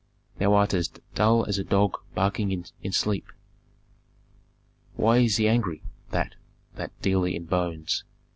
"Thou art as dull as a dog barking in sleep." "Why is he angry, that that dealer in bones?"